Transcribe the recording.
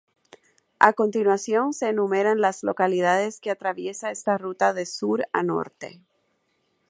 A continuación se enumeran las localidades que atraviesa esta ruta de sur a norte.